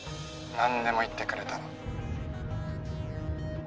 ☎何でも言ってくれたら